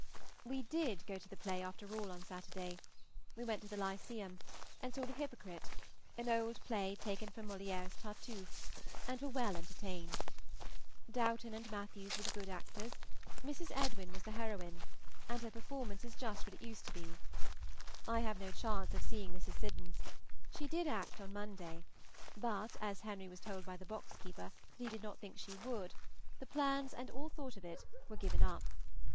We did go to the play, after all, on Saturday. We went to the Lyceum, and saw the "Hypocrite," an old play taken from Molière's "Tartuffe," and were well entertained. Dowton and Mathews were the good actors; Mrs. Edwin was the heroine, and her performance is just what it used to be. I have no chance of seeing Mrs. Siddons; she did act on Monday, but as Henry was told by the box keeper that he did not think she would, the plans, and all thought of it, were given up.